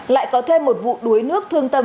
lại có thêm một vụ đuối nước thương tâm